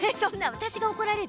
私が怒られる？